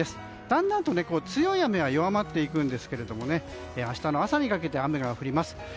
だんだんと強い雨は弱まっていくんですけれども明日の朝にかけて雨が降ります。